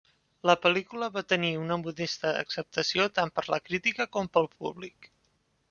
La pel·lícula va tenir una modesta acceptació tant per la crítica, com pel públic.